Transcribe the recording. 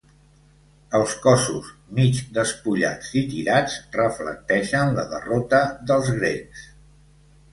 Els cossos, mig despullats i tirats, reflecteixen la derrota dels grecs.